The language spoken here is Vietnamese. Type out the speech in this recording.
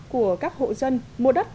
của các hộ dân mua đất